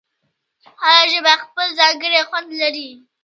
هره ژبه خپل ځانګړی خوند لري.